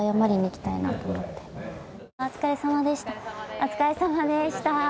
お疲れさまでした。